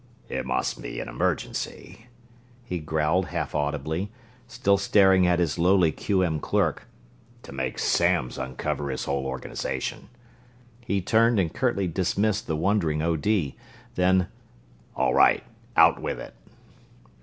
"It must be an emergency," he growled, half audibly, still staring at his lowly Q. M. clerk, "to make Samms uncover his whole organization." He turned and curtly dismissed the wondering O. D. Then: "All right! Out with it!"